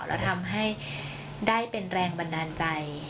แล้วทำให้ได้เป็นแรงบันดาลใจ